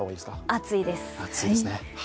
暑いです。